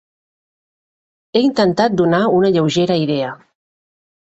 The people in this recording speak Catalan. He intentat donar una lleugera idea